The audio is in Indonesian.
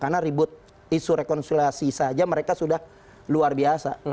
karena ribut isu rekonsulasi saja mereka sudah luar biasa